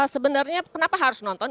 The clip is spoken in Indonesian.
sebenarnya kenapa harus nonton